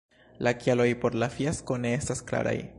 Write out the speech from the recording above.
La kialoj por la fiasko ne estas klaraj.